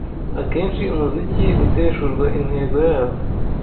Akenshi umuziki uteshurwa intego yawo